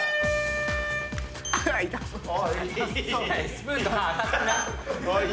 スプーンが歯当たったな。